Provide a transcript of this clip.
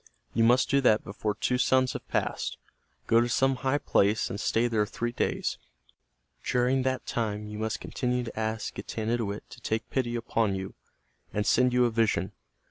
You must do that before two suns have passed. Go to some high place and stay there three days. During that time you must continue to ask Getanittowit to take pity upon you, and send you a vision.